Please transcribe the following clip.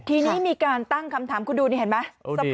ทีนี้มีการตั้งคำถามคุณดูนี่เห็นไหม